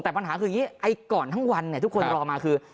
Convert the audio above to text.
แต่ปัญหาคืออย่างนี้ไอ้ก่อนทั้งวันทุกคนรอมาคือ